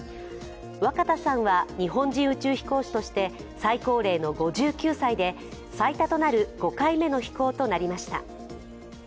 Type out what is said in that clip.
若田さんは日本人宇宙飛行士として最高齢の５９歳で最多となる５回目の飛行となりました。